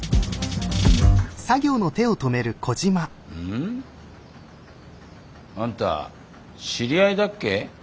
ん？あんた知り合いだっけ？